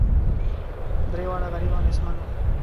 درې واړه غریب او نیستمن وه.